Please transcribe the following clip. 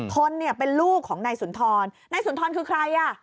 ทนเป็นลูกของนายสุนทรนายสุนทรคือใคร